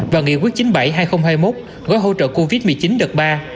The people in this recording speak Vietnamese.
và nghị quyết chín mươi bảy hai nghìn hai mươi một gói hỗ trợ covid một mươi chín đợt ba